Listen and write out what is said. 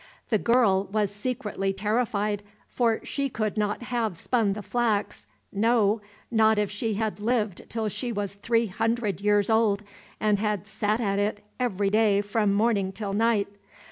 The girl was secretly terrified, for she could not have spun the flax, no, not if she had lived till she was three hundred years old, and had sat at it every day from morning till night.